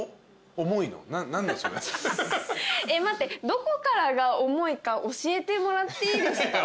どこからが重いか教えてもらっていいですか？